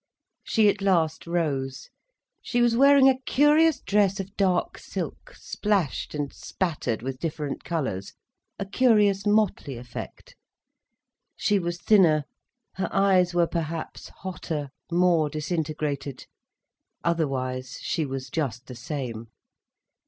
She at last rose. She was wearing a curious dress of dark silk splashed and spattered with different colours, a curious motley effect. She was thinner, her eyes were perhaps hotter, more disintegrated. Otherwise she was just the same.